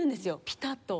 ピタッと。